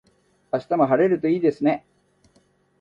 明日も晴れるといいですね。